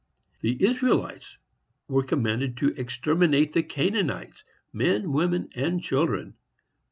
The Israelites were commanded to exterminate the Canaanites, men, women and children.